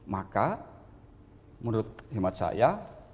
maka menurut khidmat saya